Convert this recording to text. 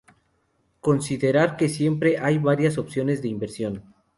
Considerar que siempre hay varias opciones de inversión.